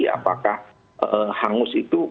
apakah hangus itu